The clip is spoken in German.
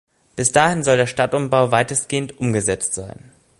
Bis dahin soll der Stadtumbau weitestgehend umgesetzt sein.